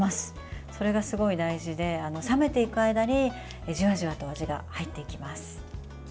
それが、すごい大事で冷めていく間にじわじわと味が入っていきます。